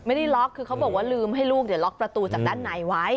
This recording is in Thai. ไม่ได้ล็อกคือเขาบอกว่าลืมให้ลูกล็อกประตูจากด้านในไว้